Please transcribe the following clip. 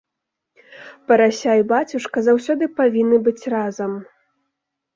Парася і бацюшка заўсёды павінны быць разам.